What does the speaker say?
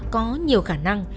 có nhiều khả năng